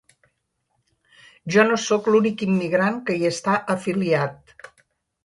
Jo no sóc l’únic immigrant que hi està afiliat.